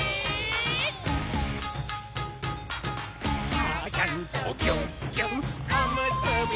「ちゃちゃんとぎゅっぎゅっおむすびちゃん」